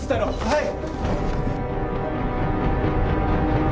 はい！